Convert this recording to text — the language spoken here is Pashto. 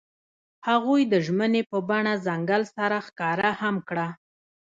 هغوی د ژمنې په بڼه ځنګل سره ښکاره هم کړه.